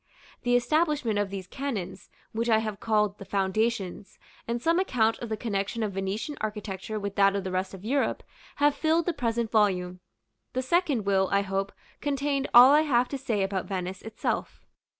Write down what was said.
The establishment of these canons, which I have called "the Foundations," and some account of the connection of Venetian architecture with that of the rest of Europe, have filled the present volume. The second will, I hope, contain all I have to say about Venice itself.